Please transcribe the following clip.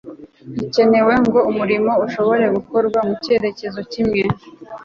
ikenewe ngo umurimo ushobore gukorwa mu cyerekezo kimwe